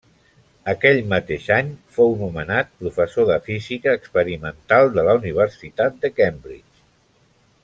Aquell mateix fou nomenat professor de física experimental de la Universitat de Cambridge.